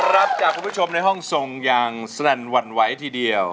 รับจากคุณผู้ชมในห้องทรงอย่างสนั่นหวั่นไหวทีเดียว